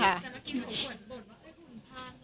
อยู่ข้างบนโหยหุ่นพัง